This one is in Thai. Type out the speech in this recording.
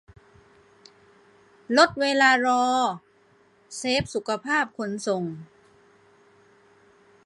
- ลดเวลารอ เซฟสุขภาพคนส่ง